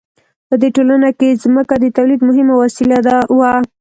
په دې ټولنه کې ځمکه د تولید مهمه وسیله وه.